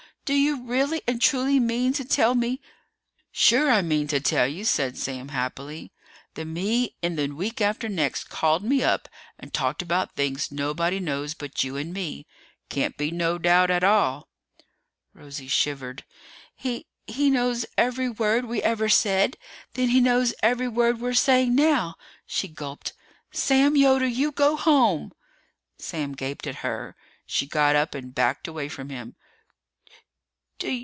Do you really and truly mean to tell me " "Sure I mean to tell you," said Sam happily. "The me in the week after next called me up and talked about things nobody knows but you and me. Can't be no doubt at all." Rosie shivered. "He he knows every word we ever said! Then he knows every word we're saying now!" She gulped. "Sam Yoder, you go home!" Sam gaped at her. She got up and backed away from him.